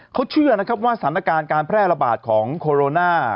เขาเชื่อนะครับว่าสถานการณ์การแพร่ระบาดของโคโรนา